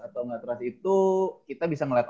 atau nge trust itu kita bisa melihat